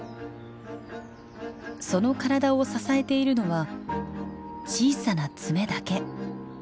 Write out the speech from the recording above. その体を支えているのは小さな爪だけ。